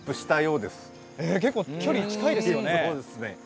結構、距離が近いですね。